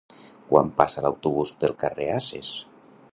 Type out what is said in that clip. Quan passa l'autobús pel carrer Ases?